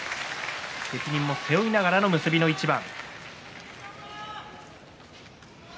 責任を背負いながらの結びの一番。